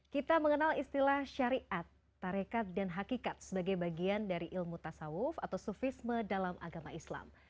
kita mengenal istilah syariat tarekat dan hakikat sebagai bagian dari ilmu tasawuf atau sufisme dalam agama islam